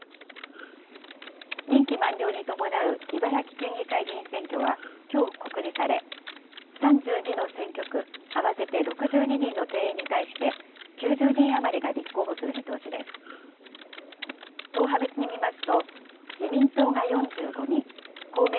任期満了に伴う茨城県議会議員選挙はきょう告示され、３２の選挙区、合わせて６２人の定員に対して、９０人余りが立候補する見通しです。